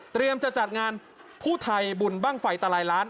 เตรียมจะจัดงานผู้ไทยบุญบ้างไฟตาลัยล้าน